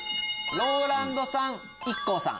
ＲＯＬＡＮＤさんとＩＫＫＯさん。